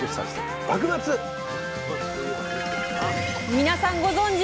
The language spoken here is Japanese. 皆さんご存じ！